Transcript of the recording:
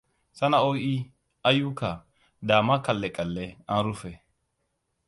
sana'oi, ayuka, dama kalle-kallle an rufe.